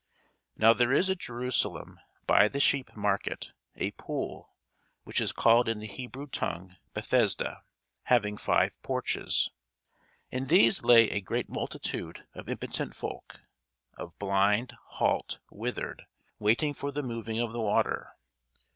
Now there is at Jerusalem by the sheep market a pool, which is called in the Hebrew tongue Bethesda, having five porches. In these lay a great multitude of impotent folk, of blind, halt, withered, waiting for the moving of the water.